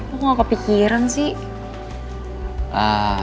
aku nggak kepikiran sih